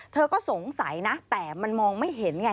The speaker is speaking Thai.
เธอก็สงสัยนะแต่มันมองไม่เห็นไง